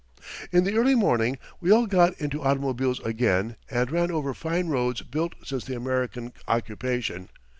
In the early morning we all got into automobiles again and ran over fine roads built since the American occupation.